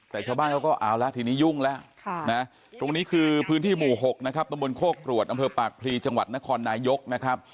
แต่ชาวบ้านเขาก็เอาละทีนี้ยุ่งแล้วตรงนี้คือพื้นที่หมู่๖นะครับตำบลโคกรวดอำเภอปากพลีจังหวัดนครนายกนะครับ